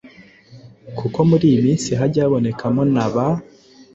Kuko muri iyi minsi hajya habonekamo na ba “